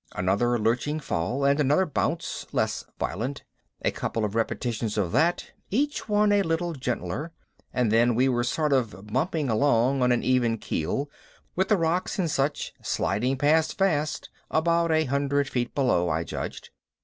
Another lurching fall and another bounce, less violent. A couple of repetitions of that, each one a little gentler, and then we were sort of bumping along on an even keel with the rocks and such sliding past fast about a hundred feet below, I judged.